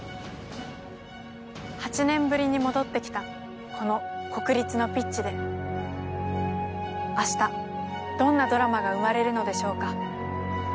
８年ぶりに戻ってきたこの国立のピッチで、明日、どんなドラマが生まれるのでしょうか。